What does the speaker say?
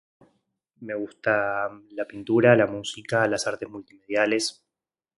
Me gusta la pintura, la música, las artes mundiales